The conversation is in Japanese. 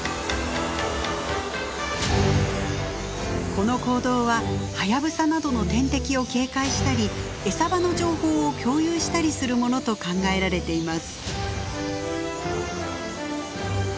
この行動はハヤブサなどの天敵を警戒したり餌場の情報を共有したりするものと考えられています。